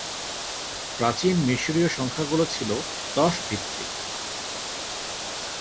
প্রাচীন মিশরীয় সংখ্যাগুলো ছিল দশ ভিত্তিক।